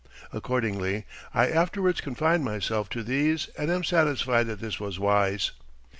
Accordingly, I afterwards confined myself to these and am satisfied that this was wise.